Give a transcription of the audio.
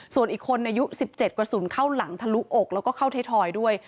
ส่วนอีกคนอายุสิบเจ็ดกว่าศูนย์เข้าหลังทะลุอกแล้วก็เข้าท้ายทอยด้วย